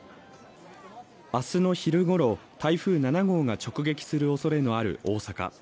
明日の昼ごろ台風７号が直撃するおそれのある大阪。